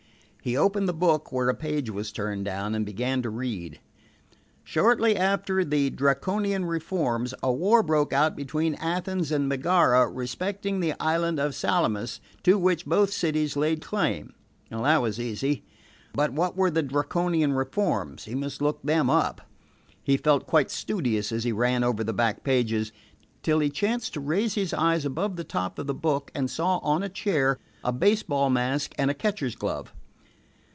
He opened the book where a page was turned down, and began to read: Shortly after the Draconian reforms, a war broke out between Athens and Megara respecting the island of Salamis, to which both cities laid claim. That was easy; but what were the Draconian reforms? He must look them up. He felt quite studious as he ran over the back pages, till he chanced to raise his eyes above the top of the book and saw on a chair a baseball mask and a catcher's glove.